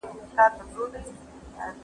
دښمن به بیا را ټول نه سي.